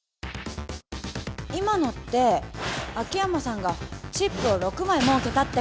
今のって秋山さんがチップを６枚もうけたってことですね。